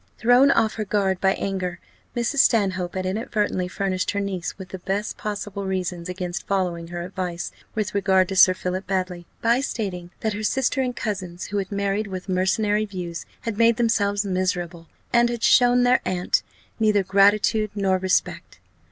Thrown off her guard by anger, Mrs. Stanhope had inadvertently furnished her niece with the best possible reasons against following her advice with regard to Sir Philip Baddely, by stating that her sister and cousins, who had married with mercenary views, had made themselves miserable, and had shown their aunt neither gratitude nor respect.